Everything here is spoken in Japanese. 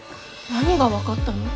何が分かったの？